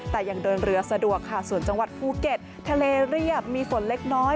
แต่ยังเดินเรือสะดวกค่ะส่วนจังหวัดภูเก็ตทะเลเรียบมีฝนเล็กน้อย